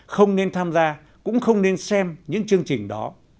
không nên tham gia cũng không nên xem những chương trình đó